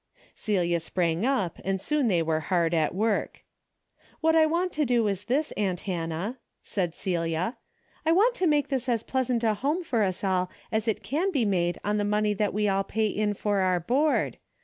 Celia sprang up and soon they were hard at work. " What I want to do is this, aunt Hannah," said Celia. " I want to make this as pleasant a home for us all, as it can be made on the money that we all pay in for our board.